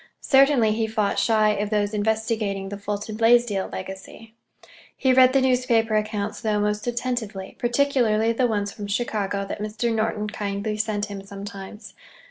Certainly he fought shy of those investigating the Fulton Blaisdell legacy. He read the newspaper accounts, though, most attentively, particularly the ones from Chicago that Mr. Norton kindly sent him sometimes.